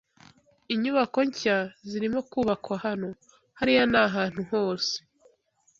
Inyubako nshya zirimo kubakwa hano, hariya nahantu hose.